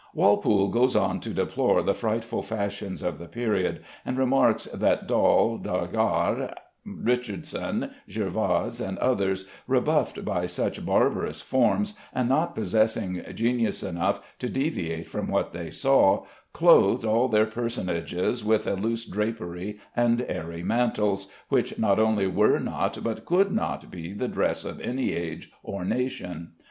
Walpole goes on to deplore the frightful fashions of the period, and remarks that Dahl, D'Agar, Richardson, Jervas, and others, "rebuffed by such barbarous forms, and not possessing genius enough to deviate from what they saw, clothed all their personages with a loose drapery and airy mantles, which not only were not but could not be the dress of any age or nation.